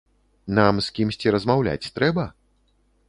Нам з кімсьці размаўляць трэба?